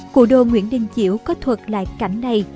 cụ đồ nguyễn đình chiểu có thuật lại cảnh này